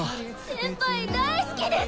先輩大好きです！